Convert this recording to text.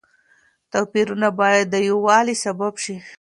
توپيرونه بايد د يووالي سبب شي.